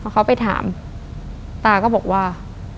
เขาไปถามตาก็บอกว่า